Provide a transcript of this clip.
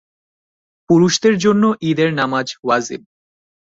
পুরুষদের জন্য ঈদের নামাজ ওয়াজিব।